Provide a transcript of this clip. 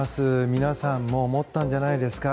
皆さんも思ったんじゃないですか